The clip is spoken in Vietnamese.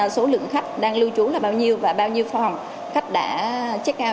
số lượng khách đang lưu trú là bao nhiêu và bao nhiêu phòng khách đã check out